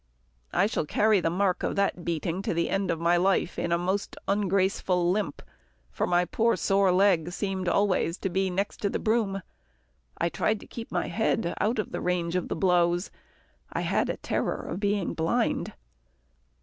I shall carry the mark of that beating to the end of my life in a most ungraceful limp, for my poor sore leg seemed to be always next the broom. I tried to keep my head out of range of the blows. I had a terror of being blind.